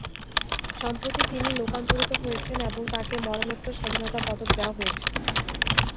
সম্প্রতি তিনি লোকান্তরিত হয়েছেন এবং তাঁকে মরণোত্তর স্বাধীনতা পদক দেওয়া হয়েছে।